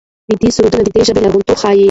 ویدي سرودونه د دې ژبې لرغونتوب ښيي.